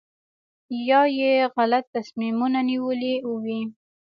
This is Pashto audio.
یا یې غلط تصمیمونه نیولي وي.